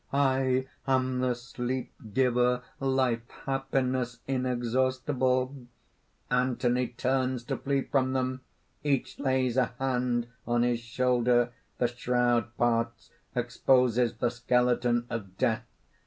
"I am the sleep giver, life, happiness inexhaustible!" (Anthony turns to fee from them. Each lays a hand on his shoulder. _The Shroud parts, exposes the Skeleton of Death.